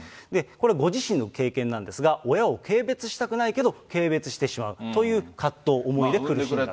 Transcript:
これ、ご自身の経験なんですが、親を軽蔑したくないけど、軽蔑してしまうという葛藤、思いで苦しんだ。